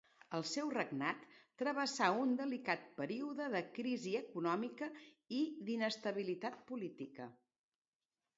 El seu regnat travessà un delicat període de crisi econòmica i d'inestabilitat política.